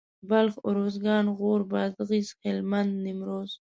بلخ اروزګان غور بادغيس هلمند نيمروز